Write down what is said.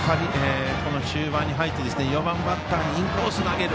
中盤に入って４番バッターのインコースに投げる。